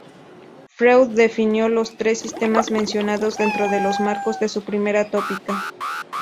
Freud definió los tres sistemas mencionados dentro de los marcos de su primera tópica.